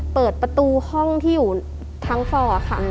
เปิดประตูห้องที่อยู่ทั้งฟอร์ค่ะ